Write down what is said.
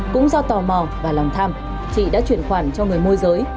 cũng do tò mò và lòng tham chị đã chuyển khoản cho người môi giới